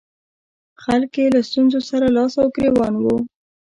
خلک یې له ستونزو سره لاس او ګرېوان وو.